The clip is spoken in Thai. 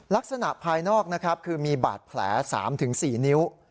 ลักษณะภายนอกคือมีบาดแผล๓๔นิ้ว